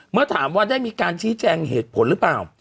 เมื่อถามว่าได้มีการชี้แจงเหตุผลหรือเปล่า